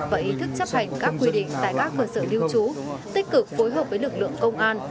và ý thức chấp hành các quy định tại các cơ sở lưu trú tích cực phối hợp với lực lượng công an